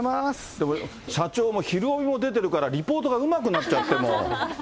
でも社長も、ひるおびも出てるから、リポートがうまくなっちゃってもう。